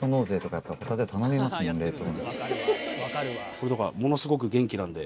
これとかものスゴく元気なんで。